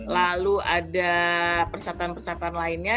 lalu ada persyaratan persyaratan lainnya